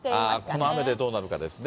この雨でどうなるかですね。